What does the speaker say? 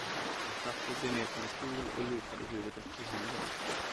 Han satte sig ner på en stol och lutade huvudet i händerna.